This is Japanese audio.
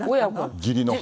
義理の母。